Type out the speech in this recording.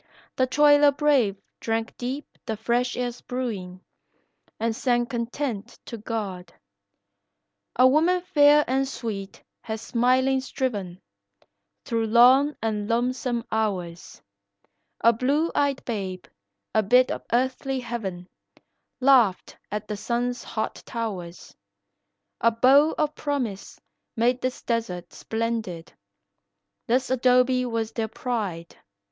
The toiler brave drank deep the fresh air's brewin' And sang content to God. A woman fair and sweet has smilin' striven Through long and lonesome hours; A blue eyed babe, a bit of earthly heaven, Laughed at the sun's hot towers; A bow of promise made this desert splendid, This 'dobe was their pride.